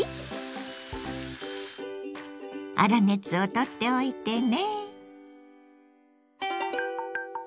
粗熱をとっておいてね。